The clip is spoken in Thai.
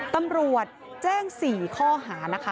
ตำรวจแจ้ง๔ข้อหานะคะ